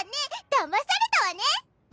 だまされたわね！